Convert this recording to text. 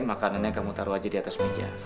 makanannya kamu taruh aja di atas meja